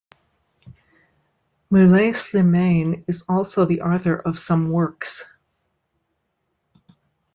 Mulay Slimane is also the author of some works.